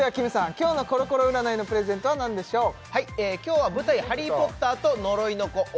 今日のコロコロ占いのプレゼントは何でしょうはいええ